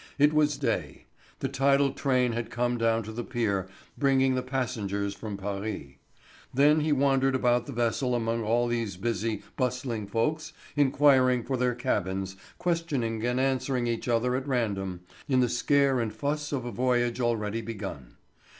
It was day; the tidal train had come down to the pier bringing the passengers from Paris. Then he wandered about the vessel among all these busy, bustling folks inquiring for their cabins, questioning and answering each other at random, in the scare and fuss of a voyage already begun.